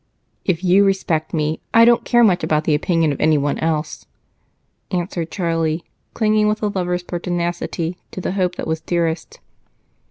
"If you respect me, I don't care much about the opinion of anyone else," answered Charlie, clinging with a lover's pertinacity to the hope that was dearest.